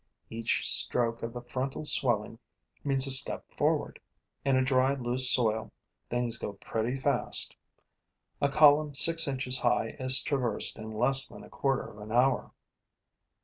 Each stroke of the frontal swelling means a step forward. In a dry, loose soil, things go pretty fast. A column six inches high is traversed in less than a quarter of an hour.